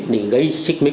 để gây xích mít